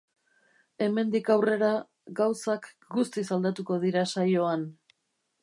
Hemendik aurrera, gauzak guztiz aldatuko dira saioan.